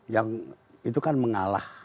yang itu kan mengalah